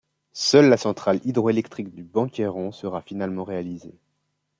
Seule la Centrale hydroélectrique du Bancairon sera finalement réalisée.